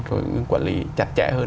rồi quản lý chặt chẽ hơn